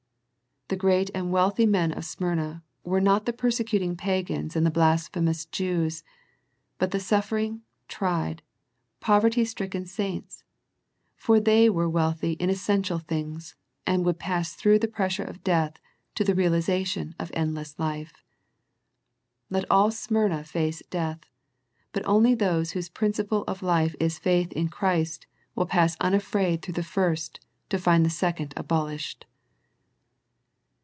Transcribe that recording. The great and wealthy men of Smyrna were not the persecuting pagans and the blasphemous Jews, but the suffering, tried, poverty stricken saints, for they were wealthy in all essential things, and would pass through the pressure of death to the realization of end less life. Let all Smyrna face death, but only those whose principle of life is faith in Christ will pass unafraid through the first to find the second abolished.